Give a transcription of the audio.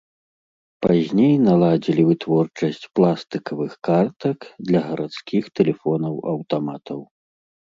Пазней наладзілі вытворчасць пластыкавых картак для гарадскіх тэлефонаў-аўтаматаў.